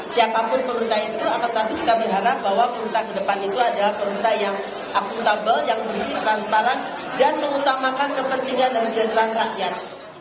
siapapun pemerintah itu akan tetapi kita berharap bahwa pemerintah ke depan itu adalah pemerintah yang akuntabel yang bersih transparan dan mengutamakan kepentingan dari jenderal rakyat